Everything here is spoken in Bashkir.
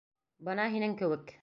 Бына һинең кеүек.